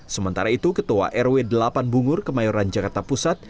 sementara itu ketua rw delapan bungur kemayoran jakarta pusat